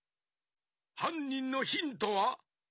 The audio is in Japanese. はんにんのヒントは？